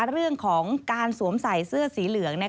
เรื่องของการสวมใส่เสื้อสีเหลือง